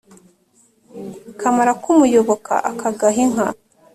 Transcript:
kamara kumuyoboka akagaha inka